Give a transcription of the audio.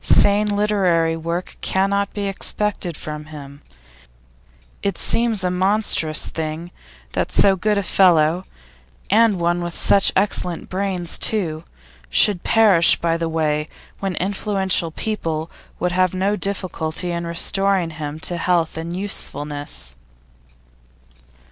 Sane literary work cannot be expected from him. It seems a monstrous thing that so good a fellow, and one with such excellent brains too, should perish by the way when influential people would have no difficulty in restoring him to health and usefulness.